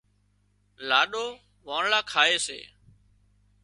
لاڏِو وانۯا کائي سي